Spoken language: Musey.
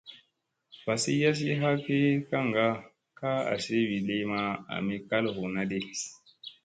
Vasi yassi ha ki kaŋgaa ka a asi wi li ma ami kal huuna di.